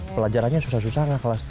pelajarannya susah susah gak kelas tiga sd